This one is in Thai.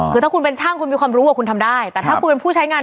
คือถ้าคุณเป็นช่างคุณมีความรู้ว่าคุณทำได้แต่ถ้าคุณเป็นผู้ใช้งาน